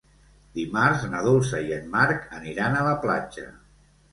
Dimarts na Dolça i en Marc aniran a la platja.